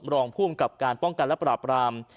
รองผู้กำกัดป้องกันและปรับราม